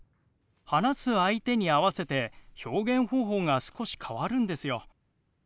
話す相手に合わせて表現方法が少し変わるんですよ。